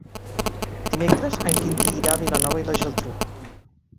Dimecres en Quintí irà a Vilanova i la Geltrú.